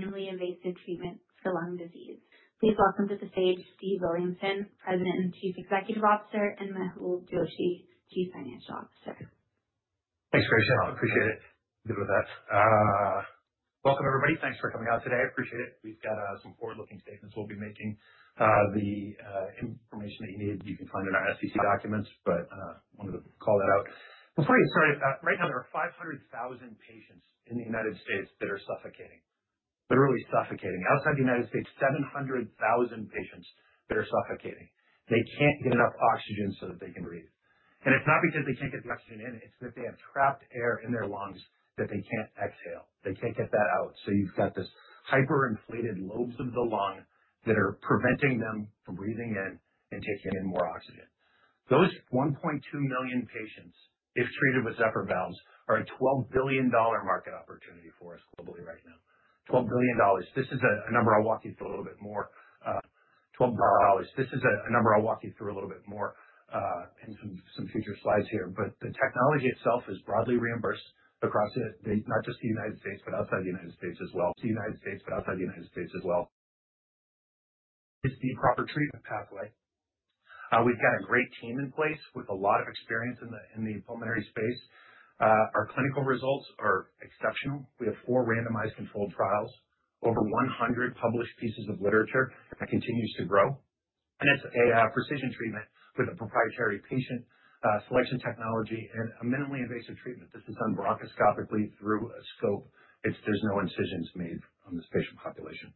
Minimally invasive treatment for lung disease. Please welcome to the stage Steve Williamson, President and Chief Executive Officer, and Mehul Joshi, Chief Financial Officer. Thanks, Grace. I appreciate it. Good with that. Welcome, everybody. Thanks for coming out today. I appreciate it. We've got some forward-looking statements we'll be making. The information that you need, you can find in our SEC documents, but I wanted to call that out. Before you get started, right now there are 500,000 patients in the U.S. that are suffocating, literally suffocating. Outside the U.S., 700,000 patients that are suffocating. They can't get enough oxygen so that they can breathe. It's not because they can't get the oxygen in, it's because they have trapped air in their lungs that they can't exhale. They can't get that out. You have these hyperinflated lobes of the lung that are preventing them from breathing in and taking in more oxygen. Those 1.2 million patients, if treated with Zephyr Valves, are a $12 billion market opportunity for us globally right now. $12 billion. This is a number I'll walk you through a little bit more. $12 billion. This is a number I'll walk you through a little bit more in some future slides here. The technology itself is broadly reimbursed across, not just the United States, but outside the United States as well. It's the proper treatment pathway. We've got a great team in place with a lot of experience in the pulmonary space. Our clinical results are exceptional. We have four randomized controlled trials, over 100 published pieces of literature, and continues to grow. It's a precision treatment with a proprietary patient selection technology and a minimally invasive treatment. This is done bronchoscopically through a scope. There's no incisions made on this patient population.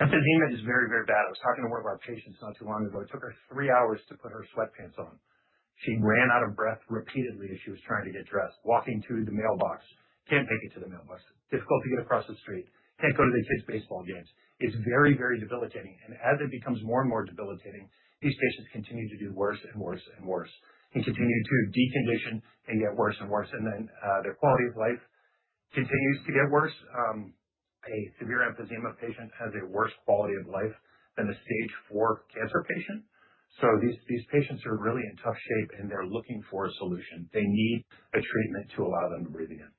Emphysema is very, very bad. I was talking to one of our patients not too long ago. It took her three hours to put her sweatpants on. She ran out of breath repeatedly as she was trying to get dressed, walking to the mailbox. Can't make it to the mailbox. Difficult to get across the street. Can't go to the kids' baseball games. It's very, very debilitating. As it becomes more and more debilitating, these patients continue to do worse and worse and continue to decondition and get worse and worse. Their quality of life continues to get worse. A severe emphysema patient has a worse quality of life than a stage four cancer patient. These patients are really in tough shape and they're looking for a solution. They need a treatment to allow them to breathe again.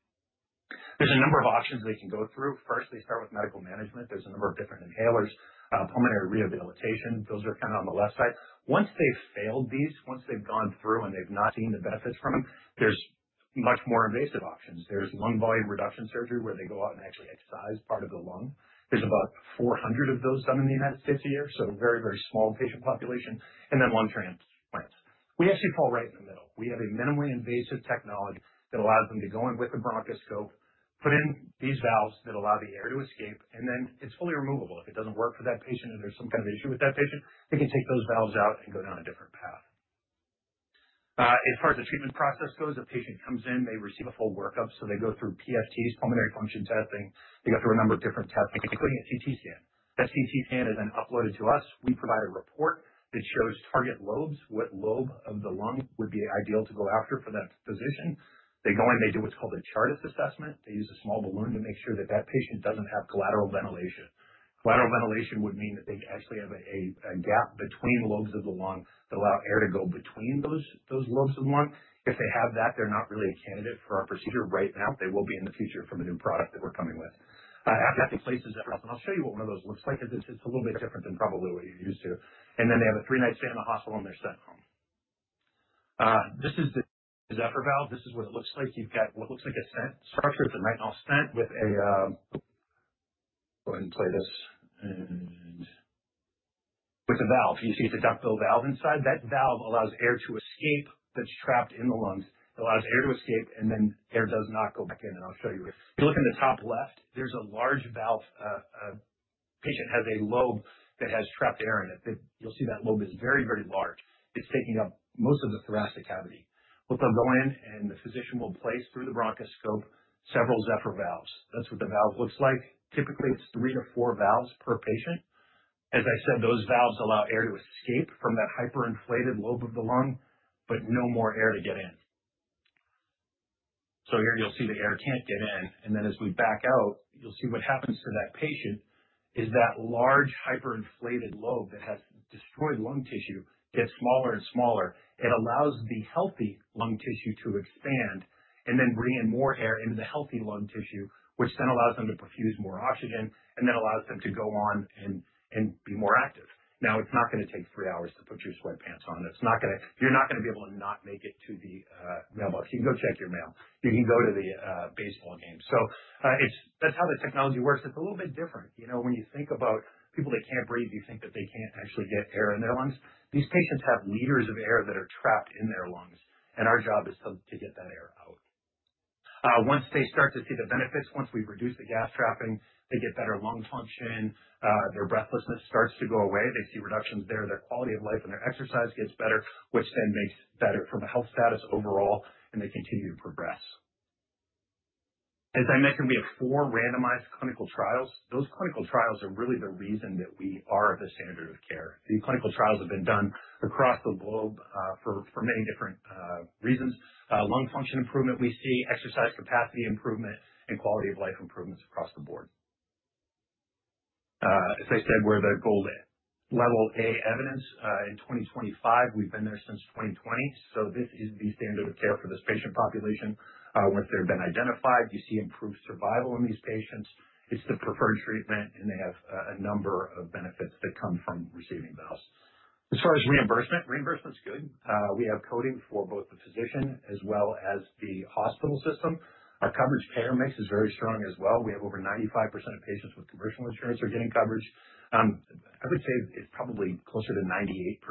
There's a number of options they can go through. First, they start with medical management. There's a number of different inhalers, pulmonary rehabilitation. Those are kind of on the left side. Once they've failed these, once they've gone through and they've not seen the benefits from them, there's much more invasive options. There's lung volume reduction surgery where they go out and actually excise part of the lung. There's about 400 of those done in the United States a year. Very, very small patient population. And then lung transplants. We actually fall right in the middle. We have a minimally invasive technology that allows them to go in with the bronchoscope, put in these valves that allow the air to escape, and then it's fully removable. If it doesn't work for that patient or there's some kind of issue with that patient, they can take those valves out and go down a different path. As far as the treatment process goes, a patient comes in, they receive a full workup. They go through PFTs, pulmonary function testing. They go through a number of different tests, including a CT scan. That CT scan is then uploaded to us. We provide a report that shows target lobes, what lobe of the lung would be ideal to go after for that physician. They go in, they do what's called a Chartis assessment. They use a small balloon to make sure that that patient doesn't have collateral ventilation. Collateral ventilation would mean that they actually have a gap between lobes of the lung that allow air to go between those lobes of the lung. If they have that, they're not really a candidate for our procedure right now. They will be in the future from a new product that we're coming with. After that, they place a Zephyr Valve, and I'll show you what one of those looks like, as it's a little bit different than probably what you're used to. They have a three-night stay in the hospital and they're sent home. This is the Zephyr Valve. This is what it looks like. You've got what looks like a structure. It's a nitinol stent with a—go ahead and play this—and with a valve. You see it's a ductile valve inside. That valve allows air to escape that's trapped in the lungs. It allows air to escape and then air does not go back in. I'll show you. If you look in the top left, there's a large valve. A patient has a lobe that has trapped air in it. You'll see that lobe is very, very large. It's taking up most of the thoracic cavity. They'll go in and the physician will place through the bronchoscope several Zephyr Valves. That's what the valve looks like. Typically, it's three to four valves per patient. As I said, those valves allow air to escape from that hyperinflated lobe of the lung, but no more air to get in. Here you'll see the air can't get in. As we back out, you'll see what happens to that patient is that large hyperinflated lobe that has destroyed lung tissue gets smaller and smaller. It allows the healthy lung tissue to expand and then bring in more air into the healthy lung tissue, which then allows them to perfuse more oxygen and then allows them to go on and be more active. Now, it's not going to take three hours to put your sweatpants on. You're not going to be able to not make it to the mailbox. You can go check your mail. You can go to the baseball game. That is how the technology works. It's a little bit different. You know, when you think about people that can't breathe, you think that they can't actually get air in their lungs. These patients have liters of air that are trapped in their lungs, and our job is to get that air out. Once they start to see the benefits, once we've reduced the gas trapping, they get better lung function, their breathlessness starts to go away. They see reductions there, their quality of life and their exercise gets better, which then makes better from a health status overall, and they continue to progress. As I mentioned, we have four randomized clinical trials. Those clinical trials are really the reason that we are the standard of care. These clinical trials have been done across the globe for many different reasons. Lung function improvement we see, exercise capacity improvement, and quality of life improvements across the board. As I said, we're the gold level A evidence. In 2025, we've been there since 2020. This is the standard of care for this patient population. Once they've been identified, you see improved survival in these patients. It's the preferred treatment, and they have a number of benefits that come from receiving those. As far as reimbursement, reimbursement's good. We have coding for both the physician as well as the hospital system. Our coverage payer mix is very strong as well. We have over 95% of patients with commercial insurance are getting coverage. I would say it's probably closer to 98%.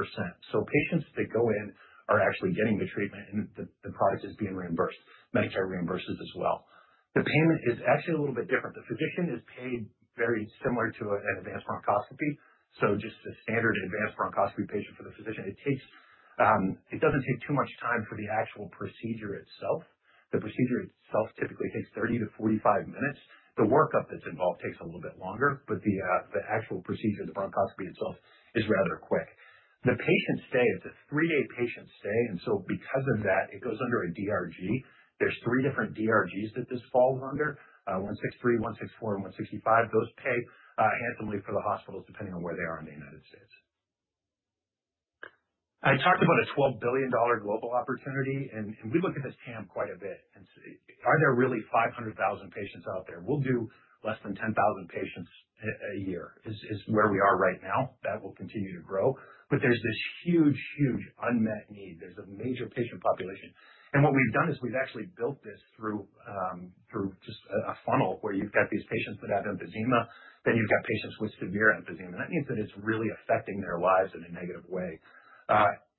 So patients that go in are actually getting the treatment, and the product is being reimbursed. Medicare reimburses as well. The payment is actually a little bit different. The physician is paid very similar to an advanced bronchoscopy. So just a standard advanced bronchoscopy patient for the physician, it doesn't take too much time for the actual procedure itself. The procedure itself typically takes 30-45 minutes. The workup that's involved takes a little bit longer, but the actual procedure, the bronchoscopy itself, is rather quick. The patient stay, it's a three-day patient stay. Because of that, it goes under a DRG. There are three different DRGs that this falls under: 163, 164, and 165. Those pay handsomely for the hospitals depending on where they are in the United States. I talked about a $12 billion global opportunity, and we look at this TAM quite a bit. Are there really 500,000 patients out there? We'll do less than 10,000 patients a year is where we are right now. That will continue to grow. There is this huge, huge unmet need. There is a major patient population. What we've done is we've actually built this through just a funnel where you've got these patients that have emphysema, then you've got patients with severe emphysema. That means that it's really affecting their lives in a negative way.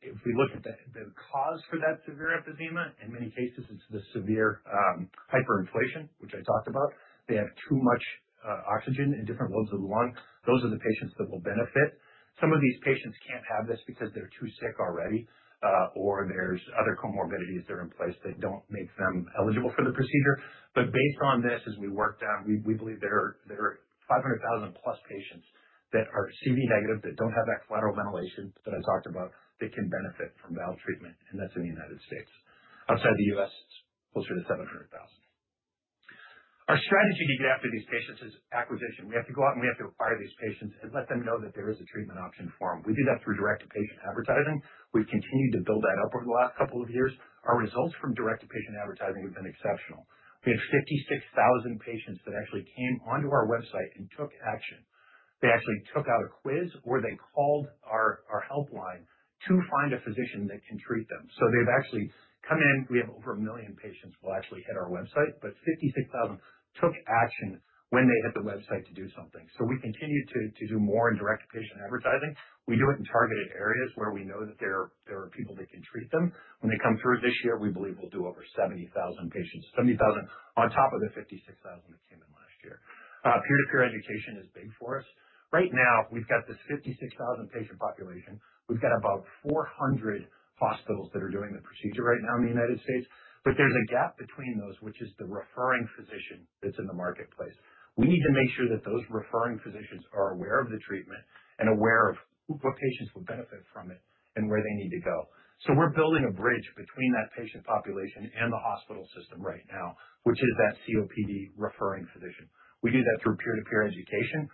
If we look at the cause for that severe emphysema, in many cases, it's the severe hyperinflation, which I talked about. They have too much oxygen in different lobes of the lung. Those are the patients that will benefit. Some of these patients can't have this because they're too sick already, or there's other comorbidities that are in place that don't make them eligible for the procedure. Based on this, as we work down, we believe there are 500,000 plus patients that are CV negative that don't have that collateral ventilation that I talked about that can benefit from valve treatment. That's in the United States. Outside the U.S., it's closer to 700,000. Our strategy to get after these patients is acquisition. We have to go out and we have to acquire these patients and let them know that there is a treatment option for them. We do that through direct-to-patient advertising. We have continued to build that up over the last couple of years. Our results from direct-to-patient advertising have been exceptional. We had 56,000 patients that actually came onto our website and took action. They actually took out a quiz or they called our helpline to find a physician that can treat them. They have actually come in. We have over one million patients who will actually hit our website, but 56,000 took action when they hit the website to do something. We continue to do more in direct-to-patient advertising. We do it in targeted areas where we know that there are people that can treat them. When they come through this year, we believe we will do over 70,000 patients. 70,000 on top of the 56,000 that came in last year. Peer-to-peer education is big for us. Right now, we've got this 56,000 patient population. We've got about 400 hospitals that are doing the procedure right now in the United States. There is a gap between those, which is the referring physician that's in the marketplace. We need to make sure that those referring physicians are aware of the treatment and aware of what patients would benefit from it and where they need to go. We are building a bridge between that patient population and the hospital system right now, which is that COPD referring physician. We do that through peer-to-peer education.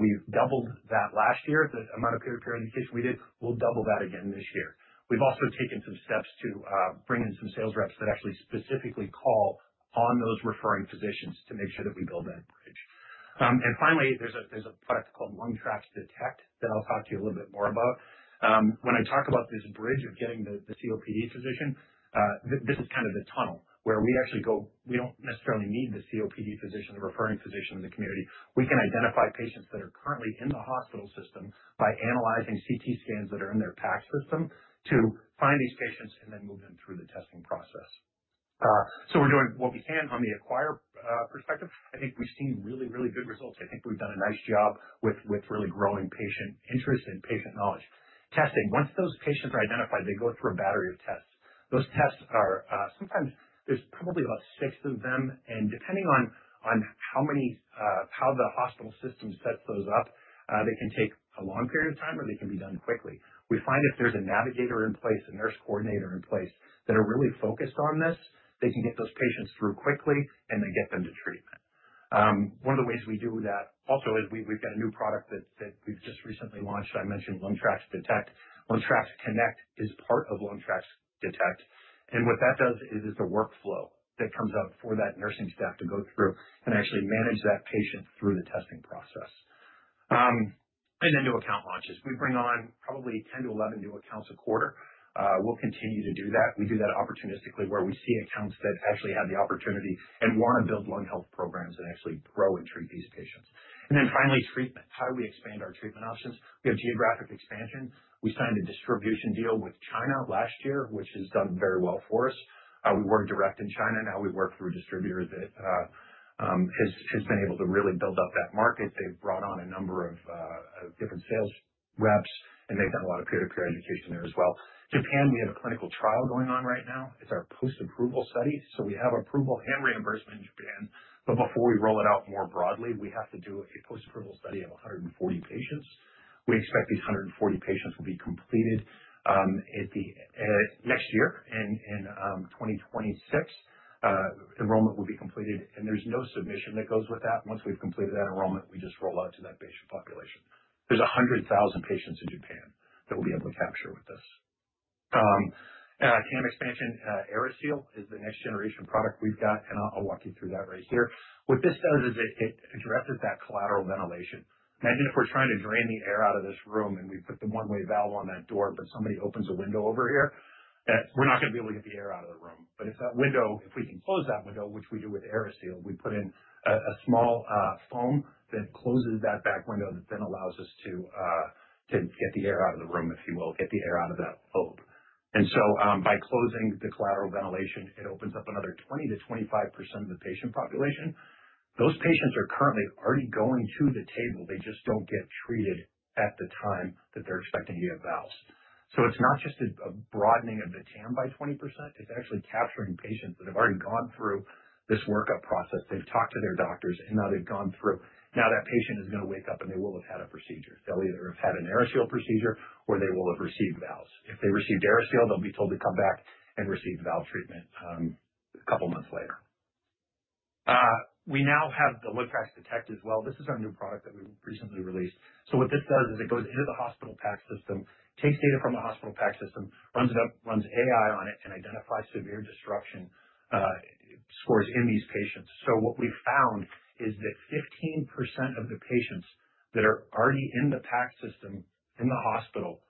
We doubled that last year. The amount of peer-to-peer education we did, we'll double that again this year. We've also taken some steps to bring in some sales reps that actually specifically call on those referring physicians to make sure that we build that bridge. Finally, there's a product called LungTraX Detect that I'll talk to you a little bit more about. When I talk about this bridge of getting the COPD physician, this is kind of the tunnel where we actually go. We don't necessarily need the COPD physician, the referring physician in the community. We can identify patients that are currently in the hospital system by analyzing CT scans that are in their PACS system to find these patients and then move them through the testing process. We're doing what we can on the acquire perspective. I think we've seen really, really good results. I think we've done a nice job with really growing patient interest and patient knowledge. Testing. Once those patients are identified, they go through a battery of tests. Those tests are sometimes there's probably about six of them. Depending on how the hospital system sets those up, they can take a long period of time or they can be done quickly. We find if there's a navigator in place, a nurse coordinator in place that are really focused on this, they can get those patients through quickly and then get them to treatment. One of the ways we do that also is we've got a new product that we've just recently launched. I mentioned LungTraX Detect. LungTraX Connect is part of LungTraX Detect. What that does is it's a workflow that comes out for that nursing staff to go through and actually manage that patient through the testing process. And then new account launches. We bring on probably 10-11 new accounts a quarter. We'll continue to do that. We do that opportunistically where we see accounts that actually have the opportunity and want to build lung health programs and actually grow and treat these patients. Finally, treatment. How do we expand our treatment options? We have geographic expansion. We signed a distribution deal with China last year, which has done very well for us. We work direct in China. Now we work through a distributor that has been able to really build up that market. They've brought on a number of different sales reps, and they've done a lot of peer-to-peer education there as well. Japan, we have a clinical trial going on right now. It's our post-approval study. We have approval and reimbursement in Japan. Before we roll it out more broadly, we have to do a post-approval study of 140 patients. We expect these 140 patients will be completed next year. In 2026, enrollment will be completed. There's no submission that goes with that. Once we've completed that enrollment, we just roll out to that patient population. There's 100,000 patients in Japan that we'll be able to capture with this. TAM expansion, AeriSeal is the next-generation product we've got. I'll walk you through that right here. What this does is it addresses that collateral ventilation. Imagine if we're trying to drain the air out of this room and we put the one-way valve on that door, but somebody opens a window over here. We're not going to be able to get the air out of the room. If that window, if we can close that window, which we do with AeriSeal, we put in a small foam that closes that back window that then allows us to get the air out of the room, if you will, get the air out of that lobe. By closing the collateral ventilation, it opens up another 20%-25% of the patient population. Those patients are currently already going to the table. They just do not get treated at the time that they are expecting to get valves. It is not just a broadening of the TAM by 20%. It is actually capturing patients that have already gone through this workup process. They have talked to their doctors, and now they have gone through. Now that patient is going to wake up and they will have had a procedure. They will either have had an AeriSeal procedure or they will have received valves. If they received AeriSeal, they'll be told to come back and receive valve treatment a couple of months later. We now have the LungTraX Detect as well. This is our new product that we recently released. What this does is it goes into the hospital PACS system, takes data from the hospital PACS system, runs AI on it, and identifies severe disruption scores in these patients. What we found is that 15% of the patients that are already in the PACS system in the hospital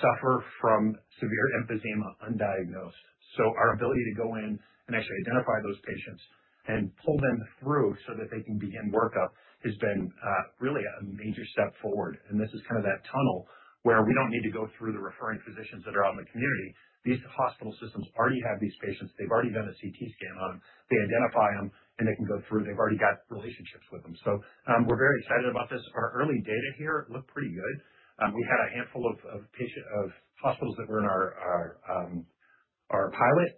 suffer from severe emphysema undiagnosed. Our ability to go in and actually identify those patients and pull them through so that they can begin workup has been really a major step forward. This is kind of that tunnel where we don't need to go through the referring physicians that are out in the community. These hospital systems already have these patients. They've already done a CT scan on them. They identify them, and they can go through. They've already got relationships with them. We are very excited about this. Our early data here look pretty good. We had a handful of hospitals that were in our pilot.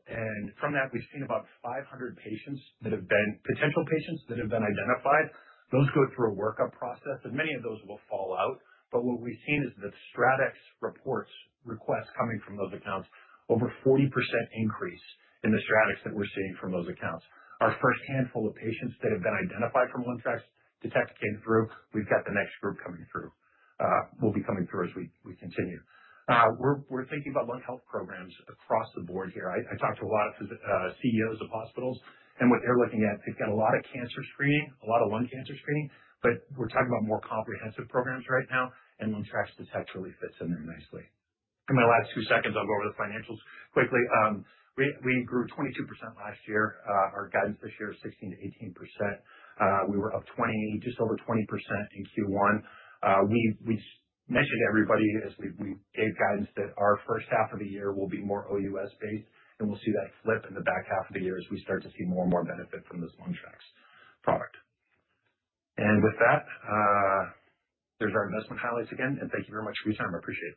From that, we've seen about 500 patients that have been potential patients that have been identified. Those go through a workup process, and many of those will fall out. What we've seen is the StratX reports requests coming from those accounts, over 40% increase in the StratX that we are seeing from those accounts. Our first handful of patients that have been identified from LungTraX Detect came through. We've got the next group coming through. We will be coming through as we continue. We are thinking about lung health programs across the board here. I talked to a lot of CEOs of hospitals, and what they're looking at, they've got a lot of cancer screening, a lot of lung cancer screening, but we're talking about more comprehensive programs right now, and LungTrax Detect really fits in there nicely. In my last two seconds, I'll go over the financials quickly. We grew 22% last year. Our guidance this year is 16%-18%. We were up just over 20% in Q1. We mentioned to everybody as we gave guidance that our first half of the year will be more OUS-based, and we'll see that flip in the back half of the year as we start to see more and more benefit from this LungTraX product. With that, there's our investment highlights again. Thank you very much for your time. I appreciate it.